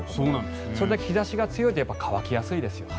それだけ日差しが強いと乾きやすいですよね。